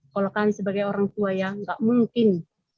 kalau kan sebagai orang tua ya nggak mungkin